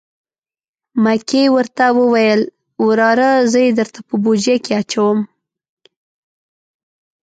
مکۍ ورته وویل: وراره زه یې درته په بوجۍ کې اچوم.